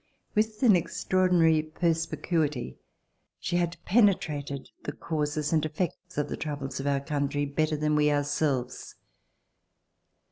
With an ex traordinary perspicuity she had penetrated the causes and the effects of the troubles of our country better than we ourselves.